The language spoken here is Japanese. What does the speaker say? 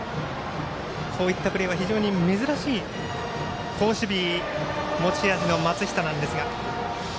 こういったプレーは非常に珍しい好守備持ち味の松下ですが。